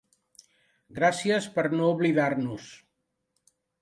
Gràcies per no oblidar-nos!